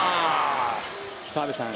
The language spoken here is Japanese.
澤部さん